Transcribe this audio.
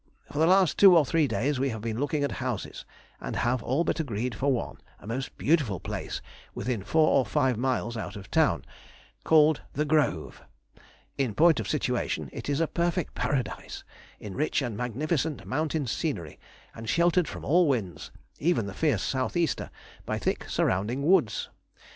_] For the last two or three days we have been looking at houses, and have all but agreed for one, a most beautiful place within four or five miles out of town, called "The Grove." In point of situation, it is a perfect paradise, in rich and magnificent mountain scenery, and sheltered from all winds, even the fierce south easter, by thick surrounding woods.